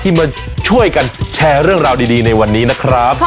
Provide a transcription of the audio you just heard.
มาช่วยกันแชร์เรื่องราวดีในวันนี้นะครับ